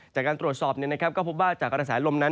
จากการตรวจสอบก็พบว่าตัวกฎาศาลลมนั้น